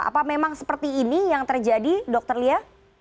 apa memang seperti ini yang terjadi dokter lia